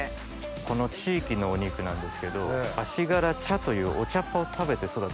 この地域のお肉なんですけど足柄茶というお茶っ葉を食べて育ててる。